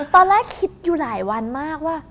ตอนแรกคิดอยู่หลายวันมากว่า